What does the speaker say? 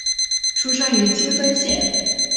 出身于青森县。